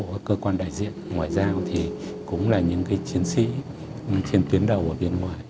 các cơ quan đại diện ngoại giao thì cũng là những chiến sĩ trên tuyến đầu ở bên ngoài